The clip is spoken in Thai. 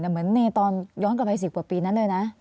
เหมือนในตอนย้อนกลับไป๑๐กว่าปีนั้นเลยนะ